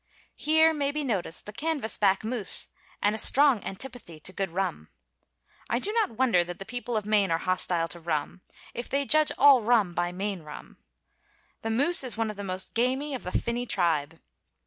Here may be noticed the canvas back moose and a strong antipathy to good rum. I do not wonder that the people of Maine are hostile to rum if they judge all rum by Maine rum. The moose is one of the most gamey of the finny tribe.